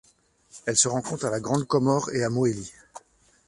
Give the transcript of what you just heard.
Elle se rencontre à la Grande Comore et à Mohéli.